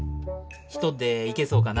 一人で行けそうかな？